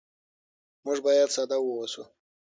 موږ باید ساده واوسو.